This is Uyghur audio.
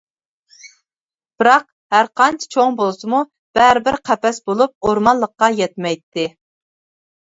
بىراق، ھەرقانچە چوڭ بولسىمۇ بەرىبىر قەپەس بولۇپ، ئورمانلىققا يەتمەيتتى.